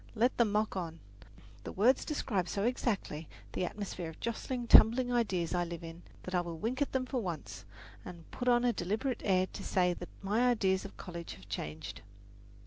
Let them mock on. The words describe so exactly the atmosphere of jostling, tumbling ideas I live in that I will wink at them for once, and put on a deliberate air to say that my ideas of college have changed.